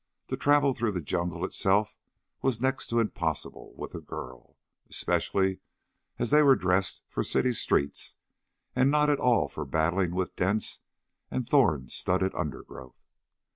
To travel through the jungle itself was next to impossible with a girl, especially as they were dressed for city streets and not at all for battling with dense and thorn studded undergrowth.